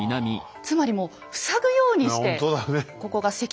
つまりもう塞ぐようにして。